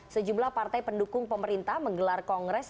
sejumlah partai pendukung pemerintah menggelar kongres